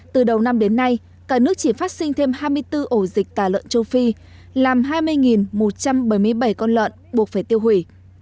từ đầu năm đến nay cả nước chỉ phát sinh thêm hai mươi bốn ổ dịch tà lợn châu phi làm hai mươi một trăm bảy mươi bảy con lợn buộc phải tiêu hủy